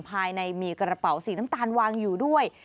ภายในมีกระเป๋าสีน้ำตาลวางอยู่ด้วย